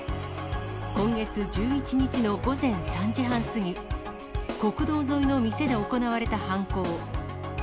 今月１１日の午前３時半過ぎ、国道沿いの店で行われた犯行。